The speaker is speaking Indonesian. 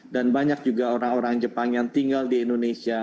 dan banyak juga orang orang jepang yang tinggal di indonesia